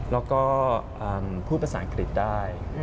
แล้วก็พูดภาษาอังกฤษได้